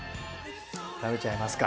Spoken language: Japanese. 食べちゃいますか。